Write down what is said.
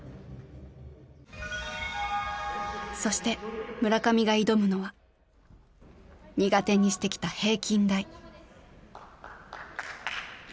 そして村上が挑むのは苦手にしてきた平均台。